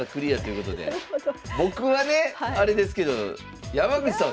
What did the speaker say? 僕はねあれですけど山口さん